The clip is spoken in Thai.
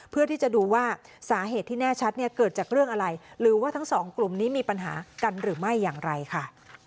เพื่อที่จะดูว่าสาเหตุที่แน่ชัดเนี่ยเกิดจากเรื่องอะไรหรือว่าทั้งสองกลุ่มนี้มีปัญหากันหรือไม่อย่างไรค่ะ